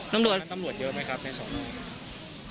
ตำรวจเยอะไหมครับในสองน้อง